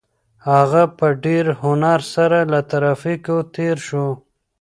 هغه په ډېر هنر سره له ترافیکو تېر شو.